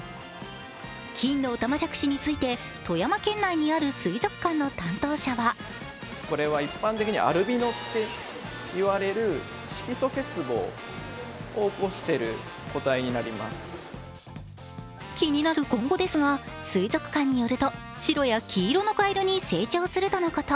金のおたまじゃくしについて富山県内にある水族館の担当者は気になる今後ですが、水族館によると白や黄色のカエルに成長するとのこと。